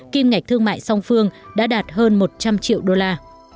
kim ngạch thương mại song phương đã đạt hơn một trăm linh triệu usd